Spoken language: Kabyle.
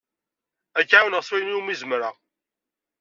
Ad k-ɛawneɣ s wayen umi zemreɣ.